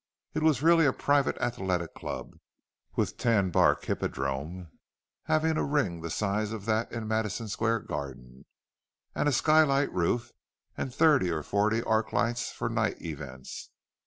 It was really a private athletic club—with tan bark hippodrome, having a ring the size of that in Madison Square Garden, and a skylight roof, and thirty or forty arc lights for night events.